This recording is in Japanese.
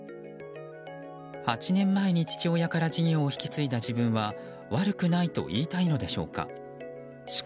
８年前に父親から事業を引き継いだ自分は、悪くないと言いたいのでしょうか。